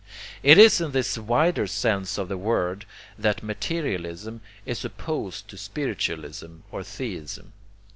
It is in this wider sense of the word that materialism is opposed to spiritualism or theism.